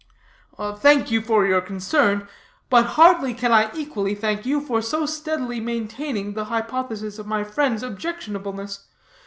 "Thank you for your concern; but hardly can I equally thank you for so steadily maintaining the hypothesis of my friend's objectionableness.